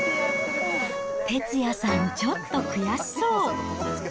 哲也さん、ちょっと悔しそう。